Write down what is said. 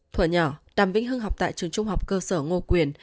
thỏa nhỏ đàm vĩnh hưng học tại trường trung học cơ sở ngô quyền